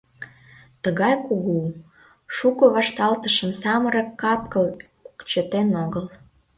Тыгай кугу, шуко вашталтышым самырык кап-кыл чытен огыл.